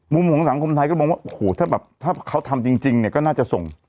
มุมของสังคมไทยก็มองว่าโอ้โหถ้าแบบถ้าเขาทำจริงเนี่ยก็น่าจะส่ง